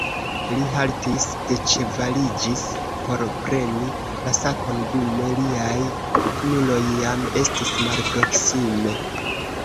Li haltis, deĉevaliĝis por preni la sakon, dume liaj kunuloj jam estis malproksime.